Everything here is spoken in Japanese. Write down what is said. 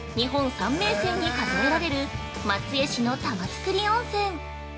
三名泉に数えられる松江市の玉造温泉。